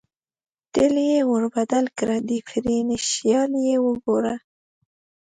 تېل یې ور بدل کړه، ډېفرېنشیال یې وګوره.